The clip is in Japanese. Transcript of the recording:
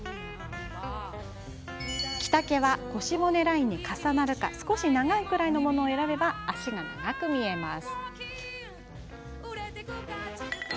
着丈は、腰骨ラインに重なるか少し長いくらいのものを選べば脚が長く見えます。